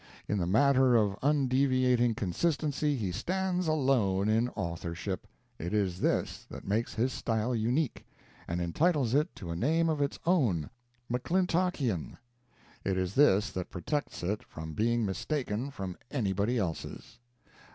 In the matter of undeviating consistency he stands alone in authorship. It is this that makes his style unique, and entitles it to a name of its own McClintockian. It is this that protects it from being mistaken for anybody else's.